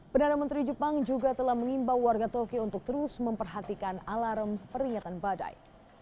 perdana menteri jepang juga telah mengimbau warga tokyo untuk terus memperhatikan alarm peringatan badai